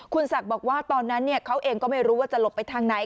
คุณศักดิ์บอกว่าตอนนั้นเขาเองก็ไม่รู้ว่าจะหลบไปทางไหน